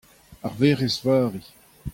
ar Werc'hez Vari.